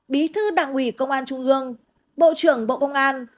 bí thư đảng ủy công an trung ương bộ trưởng bộ công an